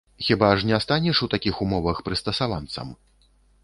Хіба ж не станеш у такіх умовах прыстасаванцам?